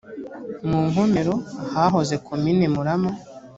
mu nkomero ahahoze komini murama